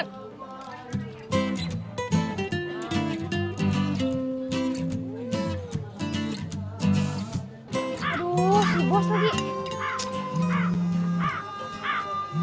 aduh sibuk lagi